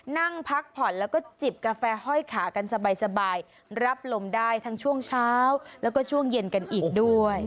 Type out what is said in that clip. นั่งพักผ่อนแล้วก็จิบกาแฟห้อยขากันสบายรับลมได้ทั้งช่วงเช้าแล้วก็ช่วงเย็นกันอีกด้วย